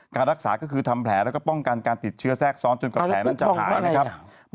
การรักษาก็คือทำแผลแล้วก็ป้องกันการติดเชื้อแทรกซ้อนจนกว่าแผลนั้นจะหายนะครับ